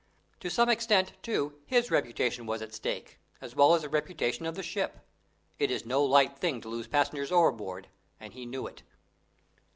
To some extent, too, his reputation was at stake, as well as the reputation of the ship. It is no light thing to lose passengers overboard, and he knew it.